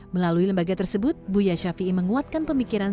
melalui lembaga tersebut buya shafi'i menguatkan pemikiran